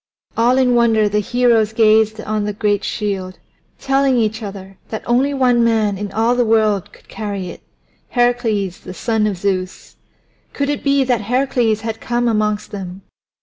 All in wonder the heroes gazed on the great shield, telling each other that only one man in all the world could carry it Heracles the son of Zeus. Could it be that Heracles had come amongst them?